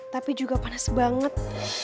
tapi juga panas banget